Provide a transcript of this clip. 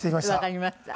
わかりました。